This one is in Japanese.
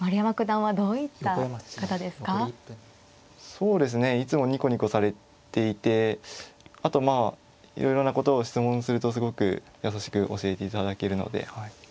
そうですねいつもニコニコされていてあとまあいろいろなことを質問するとすごく優しく教えていただけるので。